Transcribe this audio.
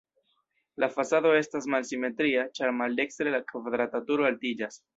La fasado estas malsimetria, ĉar maldekstre la kvadrata turo altiĝas.